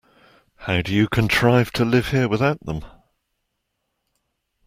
How do you contrive to live here without them?